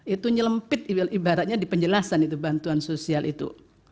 itu nyelempit ibaratnya di penjelasan itu bantuan sosial itu